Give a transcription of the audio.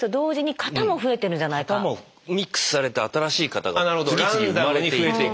型もミックスされて新しい型が次々生まれていく。